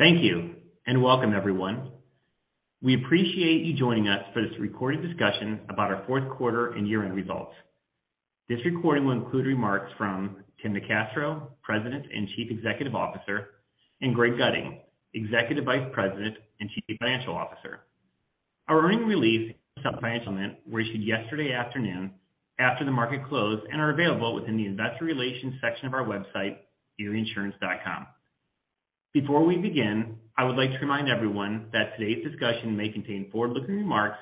Thank you. Welcome, everyone. We appreciate you joining us for this recorded discussion about our fourth quarter and year-end results. This recording will include remarks from Tim NeCastro, President and Chief Executive Officer, and Greg Gutting, Executive Vice President and Chief Financial Officer. Our earnings release, the financials, were issued yesterday afternoon after the market closed and are available within the Investor Relations section of our website, erieinsurance.com. Before we begin, I would like to remind everyone that today's discussion may contain forward-looking remarks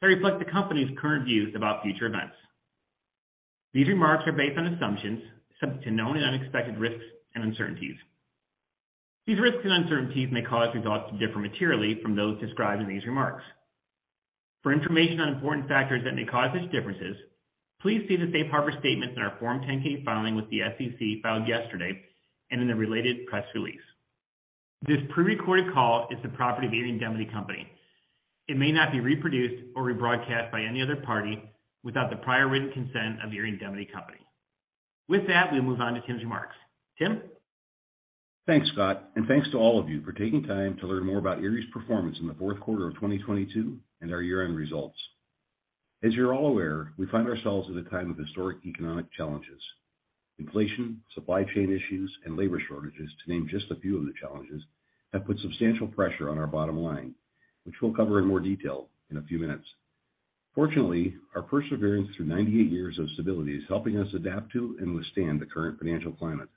that reflect the company's current views about future events. These remarks are based on assumptions subject to known and unexpected risks and uncertainties. These risks and uncertainties may cause results to differ materially from those described in these remarks. For information on important factors that may cause such differences, please see the safe harbor statements in our Form 10-K filing with the SEC filed yesterday and in the related press release. This prerecorded call is the property of Erie Indemnity Company. It may not be reproduced or rebroadcast by any other party without the prior written consent of Erie Indemnity Company. With that, we move on to Tim's remarks. Tim? Thanks, Scott, thanks to all of you for taking time to learn more about Erie's performance in the fourth quarter of 2022 and our year-end results. As you're all aware, we find ourselves at a time of historic economic challenges. Inflation, supply chain issues, and labor shortages, to name just a few of the challenges, have put substantial pressure on our bottom line, which we'll cover in more detail in a few minutes. Fortunately, our perseverance through 98 years of stability is helping us adapt to and withstand the current financial climate.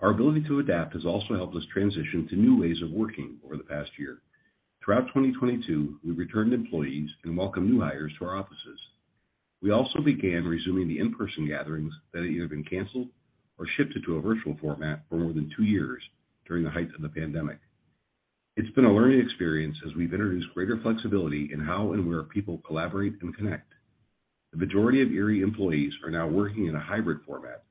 Our ability to adapt has also helped us transition to new ways of working over the past year. Throughout 2022, we returned employees and welcomed new hires to our offices. We also began resuming the in-person gatherings that had either been canceled or shifted to a virtual format for more than two years during the height of the pandemic. It's been a learning experience as we've introduced greater flexibility in how and where people collaborate and connect. The majority of Erie employees are now working in a hybrid format,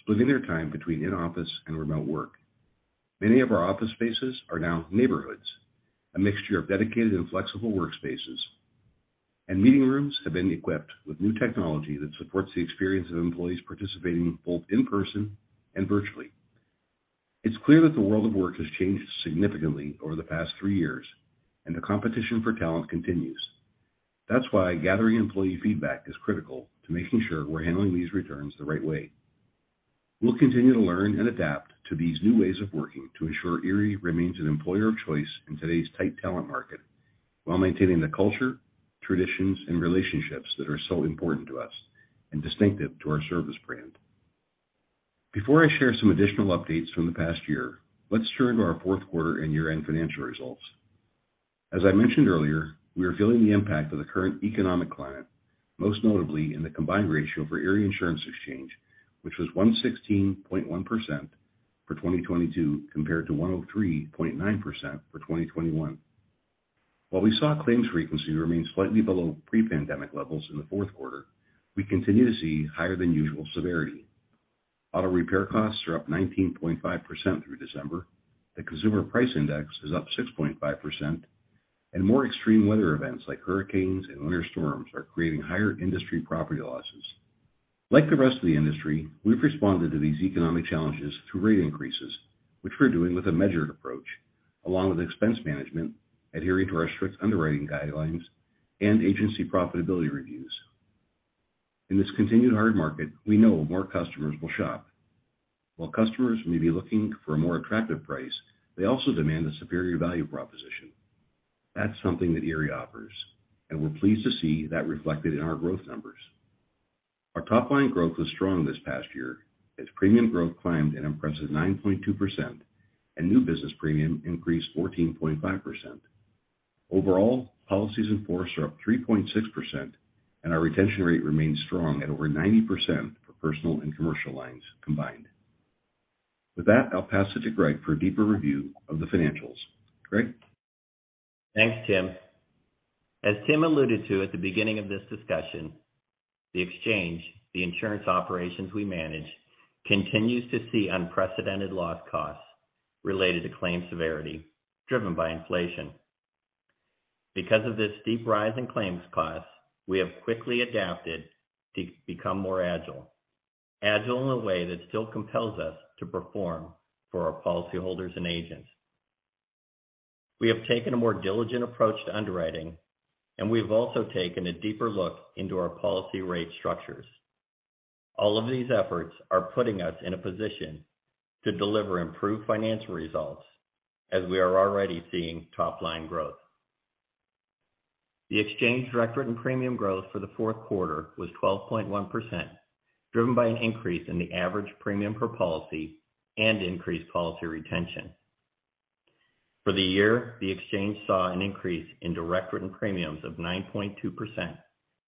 splitting their time between in-office and remote work. Many of our office spaces are now neighborhoods, a mixture of dedicated and flexible workspaces. Meeting rooms have been equipped with new technology that supports the experience of employees participating both in person and virtually. It's clear that the world of work has changed significantly over the past three years, and the competition for talent continues. That's why gathering employee feedback is critical to making sure we're handling these returns the right way. We'll continue to learn and adapt to these new ways of working to ensure Erie remains an employer of choice in today's tight talent market while maintaining the culture, traditions, and relationships that are so important to us and distinctive to our service brand. Before I share some additional updates from the past year, let's turn to our fourth quarter and year-end financial results. As I mentioned earlier, we are feeling the impact of the current economic climate, most notably in the combined ratio for Erie Insurance Exchange, which was 116.1% for 2022 compared to 103.9% for 2021. While we saw claims frequency remain slightly below pre-pandemic levels in the fourth quarter, we continue to see higher-than-usual severity. Auto repair costs are up 19.5% through December, the Consumer Price Index is up 6.5%, and more extreme weather events like hurricanes and winter storms are creating higher industry property losses. Like the rest of the industry, we've responded to these economic challenges through rate increases, which we're doing with a measured approach, along with expense management, adhering to our strict underwriting guidelines, and agency profitability reviews. In this continued hard market, we know more customers will shop. While customers may be looking for a more attractive price, they also demand a superior value proposition. That's something that Erie offers, and we're pleased to see that reflected in our growth numbers. Our top-line growth was strong this past year as premium growth climbed an impressive 9.2%, and new business premium increased 14.5%. Overall, policies in force are up 3.6%. Our retention rate remains strong at over 90% for personal and commercial lines combined. With that, I'll pass it to Greg for a deeper review of the financials. Greg? Thanks, Tim. As Tim alluded to at the beginning of this discussion, the Exchange, the insurance operations we manage, continues to see unprecedented loss costs related to claim severity driven by inflation. Because of this steep rise in claims costs, we have quickly adapted to become more agile in a way that still compels us to perform for our policyholders and agents. We have taken a more diligent approach to underwriting, and we've also taken a deeper look into our policy rate structures. All of these efforts are putting us in a position to deliver improved financial results as we are already seeing top-line growth. The Exchange direct written premium growth for the fourth quarter was 12.1%, driven by an increase in the average premium per policy and increased policy retention. For the year, the Exchange saw an increase in direct written premiums of 9.2%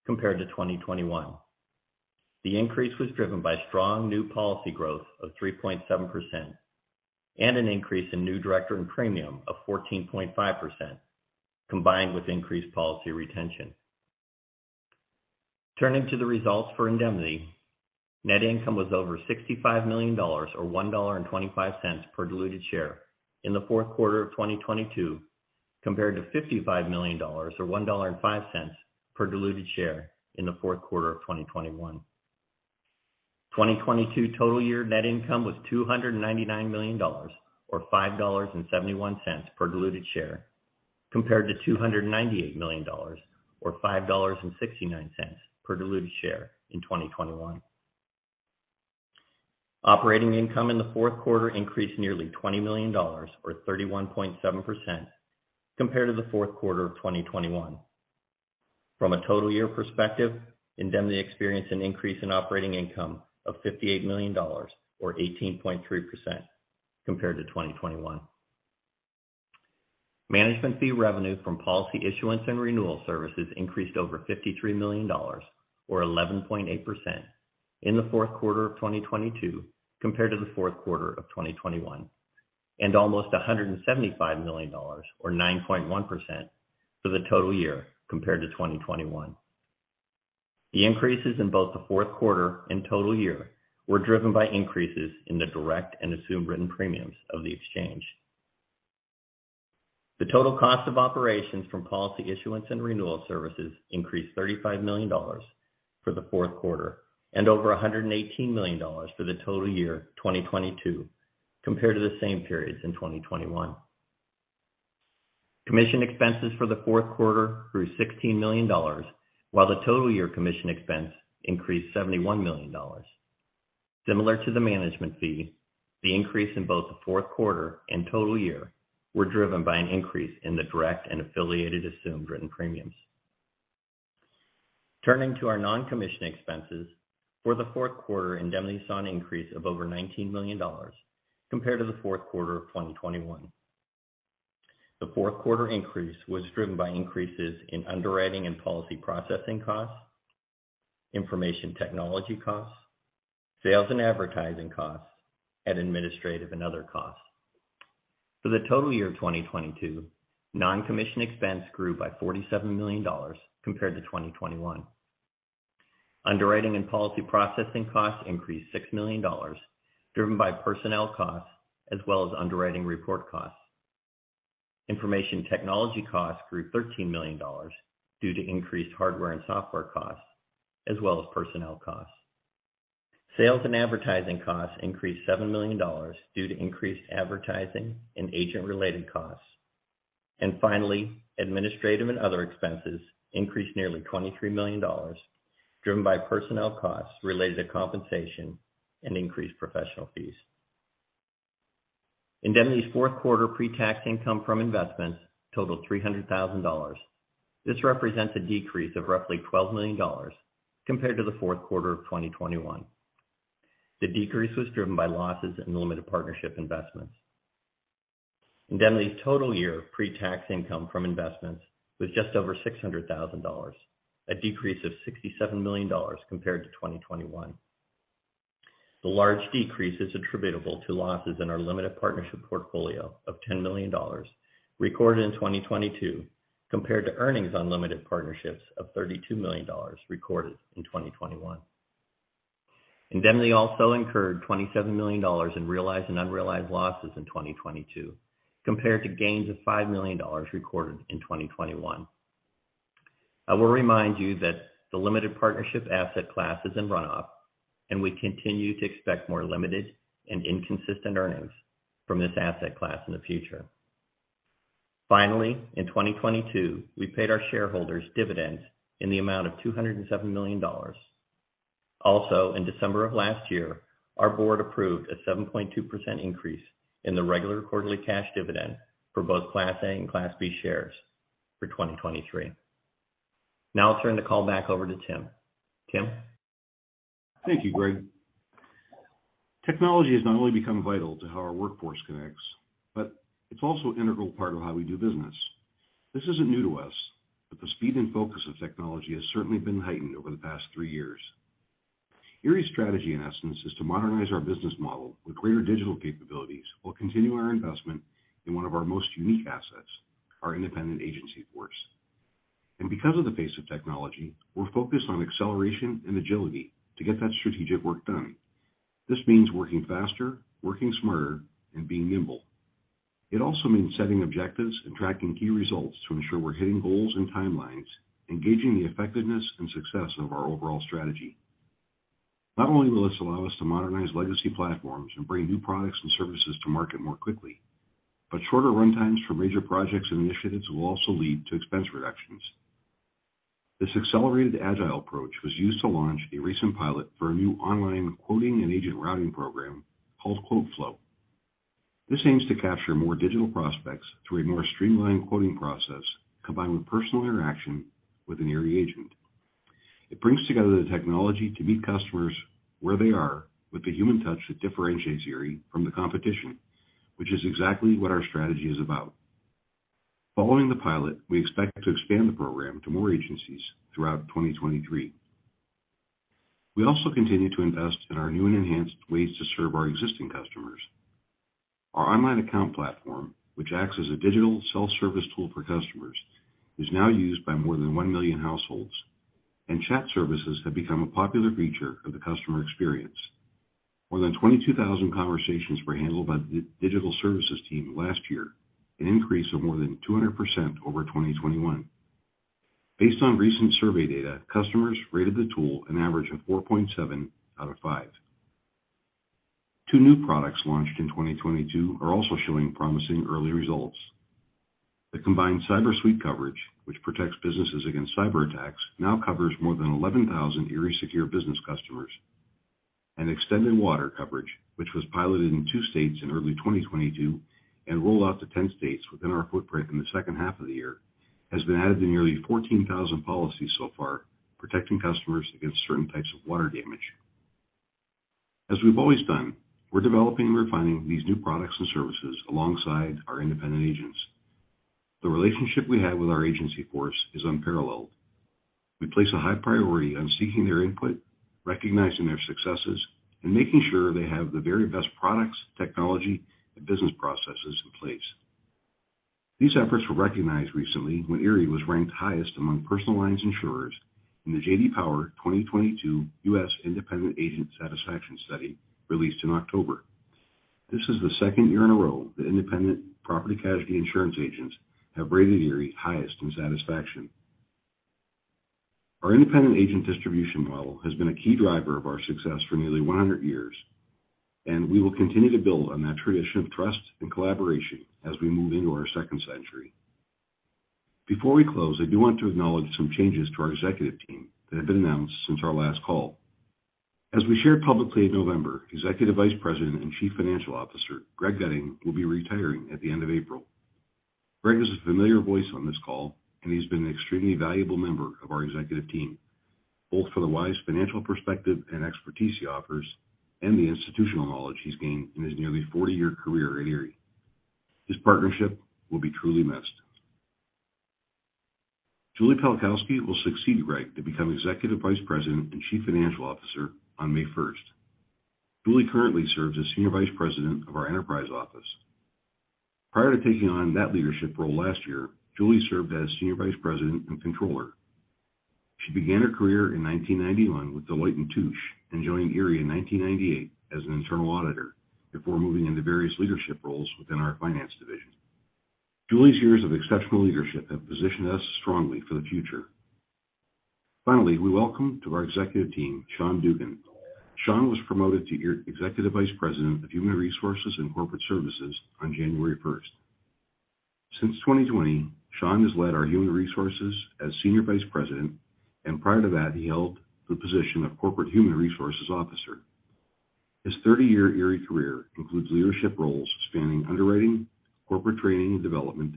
compared to 2021. The increase was driven by strong new policy growth of 3.7% and an increase in new direct written premium of 14.5%, combined with increased policy retention. Turning to the results for indemnity, net income was over $65 million, or $1.25 per diluted share in the fourth quarter of 2022, compared to $55 million, or $1.05 per diluted share in the fourth quarter of 2021. 2022 total year net income was $299 million or $5.71 per diluted share, compared to $298 million or $5.69 per diluted share in 2021. Operating income in the fourth quarter increased nearly $20 million or 31.7% compared to the fourth quarter of 2021. From a total year perspective, Indemnity experienced an increase in operating income of $58 million or 18.3% compared to 2021. Management fee revenue from policy issuance and renewal services increased over $53 million or 11.8% in the fourth quarter of 2022 compared to the fourth quarter of 2021, and almost $175 million or 9.1% for the total year compared to 2021. The increases in both the fourth quarter and total year were driven by increases in the direct and assumed written premiums of the exchange. The total cost of operations from policy issuance and renewal services increased $35 million for the fourth quarter and over $118 million for the total year, 2022 compared to the same periods in 2021. Commission expenses for the fourth quarter grew $16 million, while the total year commission expense increased $71 million. Similar to the management fee, the increase in both the fourth quarter and total year were driven by an increase in the direct and affiliated assumed written premiums. To our non-commission expenses, for the fourth quarter, Indemnity saw an increase of over $19 million compared to the fourth quarter of 2021. The fourth quarter increase was driven by increases in underwriting and policy processing costs, information technology costs, sales and advertising costs, and administrative and other costs. For the total year of 2022, non-commission expense grew by $47 million compared to 2021. Underwriting and policy processing costs increased $6 million, driven by personnel costs as well as underwriting report costs. Information technology costs grew $13 million due to increased hardware and software costs, as well as personnel costs. Sales and advertising costs increased $7 million due to increased advertising and agent-related costs. Finally, administrative and other expenses increased nearly $23 million, driven by personnel costs related to compensation and increased professional fees. Indemnity's fourth quarter pre-tax income from investments totaled $300,000. This represents a decrease of roughly $12 million compared to the fourth quarter of 2021. The decrease was driven by losses in limited partnership investments. Indemnity's total year pre-tax income from investments was just over $600,000, a decrease of $67 million compared to 2021. The large decrease is attributable to losses in our limited partnership portfolio of $10 million recorded in 2022 compared to earnings on limited partnerships of $32 million recorded in 2021. Indemnity also incurred $27 million in realized and unrealized losses in 2022 compared to gains of $5 million recorded in 2021. I will remind you that the limited partnership asset class is in run off, and we continue to expect more limited and inconsistent earnings from this asset class in the future. Finally, in 2022, we paid our shareholders dividends in the amount of $207 million. In December of last year, our board approved a 7.2% increase in the regular quarterly cash dividend for both Class A and Class B shares for 2023. I'll turn the call back over to Tim. Tim? Thank you, Greg. Technology has not only become vital to how our workforce connects, but it's also an integral part of how we do business. This isn't new to us, the speed and focus of technology has certainly been heightened over the past three years. Erie's strategy, in essence, is to modernize our business model with greater digital capabilities while continuing our investment in one of our most unique assets, our independent agency force. Because of the pace of technology, we're focused on acceleration and agility to get that strategic work done. This means working faster, working smarter, and being nimble. It also means setting objectives and tracking key results to ensure we're hitting goals and timelines, engaging the effectiveness and success of our overall strategy. Not only will this allow us to modernize legacy platforms and bring new products and services to market more quickly, but shorter runtimes for major projects and initiatives will also lead to expense reductions. This accelerated agile approach was used to launch a recent pilot for a new online quoting and agent routing program called QuoteFlow. This aims to capture more digital prospects through a more streamlined quoting process, combined with personal interaction with an Erie agent. It brings together the technology to meet customers where they are with the human touch that differentiates Erie from the competition, which is exactly what our strategy is about. Following the pilot, we expect to expand the program to more agencies throughout 2023. We also continue to invest in our new and enhanced ways to serve our existing customers. Our online account platform, which acts as a digital self-service tool for customers, is now used by more than 1 million households. Chat services have become a popular feature of the customer experience. More than 22,000 conversations were handled by the digital services team last year, an increase of more than 200% over 2021. Based on recent survey data, customers rated the tool an average of 4.7 out of 5. 2 new products launched in 2022 are also showing promising early results. The combined Cyber Suite coverage, which protects businesses against cyberattacks, now covers more than 11,000 ErieSecure Business customers, and extended water coverage, which was piloted in two states in early 2022 and roll out to 10 states within our footprint in the second half of the year, has been added to nearly 14,000 policies so far, protecting customers against certain types of water damage. As we've always done, we're developing and refining these new products and services alongside our independent agents. The relationship we have with our agency force is unparalleled. We place a high priority on seeking their input, recognizing their successes, and making sure they have the very best products, technology, and business processes in place. These efforts were recognized recently when Erie was ranked highest among personal lines insurers in the J.D. Power 2022 U.S. Independent Agent Satisfaction Study released in October. This is the second year in a row that independent property casualty insurance agents have rated Erie highest in satisfaction. Our independent agent distribution model has been a key driver of our success for nearly 100 years, and we will continue to build on that tradition of trust and collaboration as we move into our second century. Before we close, I do want to acknowledge some changes to our executive team that have been announced since our last call. As we shared publicly in November, Executive Vice President and Chief Financial Officer Greg Gutting will be retiring at the end of April. Greg is a familiar voice on this call, and he's been an extremely valuable member of our executive team, both for the wise financial perspective and expertise he offers and the institutional knowledge he's gained in his nearly 40-year career at Erie. His partnership will be truly missed. Julie Pelkowski will succeed Greg to become Executive Vice President and Chief Financial Officer on May 1st. Julie currently serves as Senior Vice President of our enterprise office. Prior to taking on that leadership role last year, Julie served as Senior Vice President and Controller. She began her career in 1991 with Deloitte & Touche, and joined Erie in 1998 as an internal auditor before moving into various leadership roles within our finance division. Julie's years of exceptional leadership have positioned us strongly for the future. Finally, we welcome to our executive team, Sean Dugan. Sean was promoted to Executive Vice President of Human Resources and Corporate Services on January 1st. Since 2020, Sean has led our human resources as Senior Vice President, and prior to that, he held the position of Corporate Human Resources Officer. His 30-year Erie career includes leadership roles spanning underwriting, corporate training and development,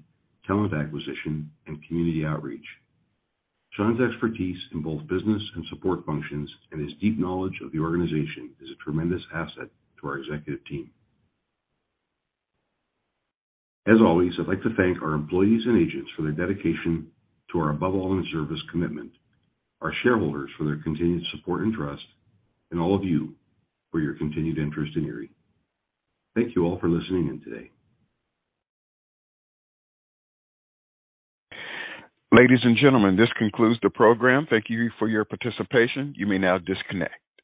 talent acquisition, and community outreach. Sean's expertise in both business and support functions and his deep knowledge of the organization is a tremendous asset to our executive team. As always, I'd like to thank our employees and agents for their dedication to our above all else service commitment, our shareholders for their continued support and trust, and all of you for your continued interest in Erie. Thank you all for listening in today. Ladies and gentlemen, this concludes the program. Thank you for your participation. You may now disconnect.